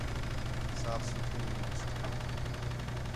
صُاف سُتھری یونیورسٹی ہِے